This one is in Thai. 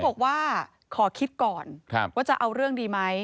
บอกว่าขอคิดก่อนว่าจะเอาเรื่องดีไหม